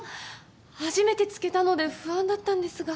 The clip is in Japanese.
初めて漬けたので不安だったんですが。